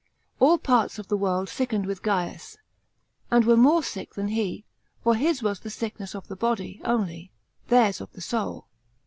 All parts of the world sickened with Gaius, and were more sick than hp, for his was the sickness of the body only, theirs of the soul.